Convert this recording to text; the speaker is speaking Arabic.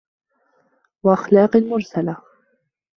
وَأَخْلَاقٍ مُرْسَلَةٍ